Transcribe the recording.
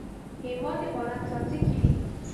هېواد د باران څاڅکی دی.